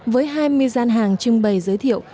với hai mươi gian hàng trưng bày giới thiệu